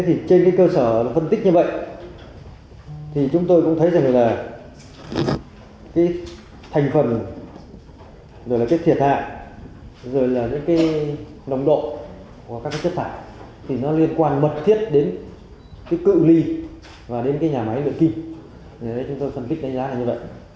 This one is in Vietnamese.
trên cơ sở phân tích như vậy thì chúng tôi cũng thấy rằng là thành phần thiệt hại nồng độ của các chất thải liên quan mật thiết đến cựu ly và nhà máy lượng kim